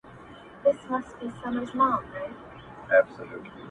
o نور مي له لاسه څخه ستا د پښې پايزيب خلاصوم.